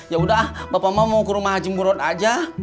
yaudah bapak mau ke rumah haji murot aja